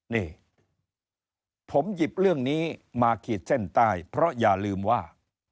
นี่ผมหยิบเรื่องนี้มาขีดเส้นใต้เพราะอย่าลืมว่า